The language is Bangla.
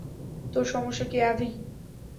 তোর সমস্যা কি, আভি?